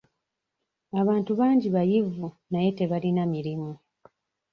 Abantu bangi bayivu naye tebalina mirimu.